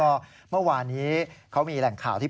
แล้วก็เมื่อวานี้เขามีแรงข่าวที